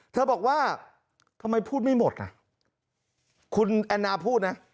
เธอบอกว่าทำไมพูดไม่หมดอ่ะคุณแอนนาพูดนะ